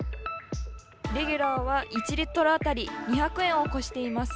レギュラーは１リットル当たり２００円を超しています。